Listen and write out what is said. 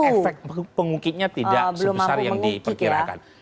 efek pengungkitnya tidak sebesar yang diperkirakan